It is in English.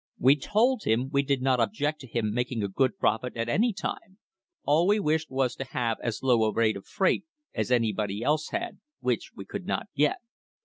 We told him we did not object to him making a good profit at any time; all we wished was to have as low a rate of freight as anybody else had, which we could not get.